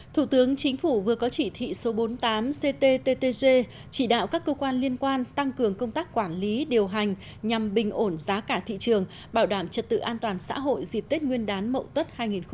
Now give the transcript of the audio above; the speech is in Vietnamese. thủ tướng chính phủ vừa có chỉ thị số bốn mươi tám cttg chỉ đạo các cơ quan liên quan tăng cường công tác quản lý điều hành nhằm bình ổn giá cả thị trường bảo đảm trật tự an toàn xã hội dịp tết nguyên đán mậu tất hai nghìn hai mươi